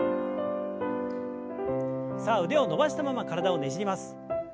さあ腕を伸ばしたまま体をねじります。